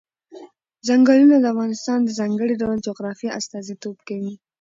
چنګلونه د افغانستان د ځانګړي ډول جغرافیه استازیتوب کوي.